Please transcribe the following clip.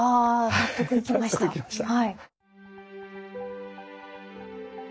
はぁ納得いきました。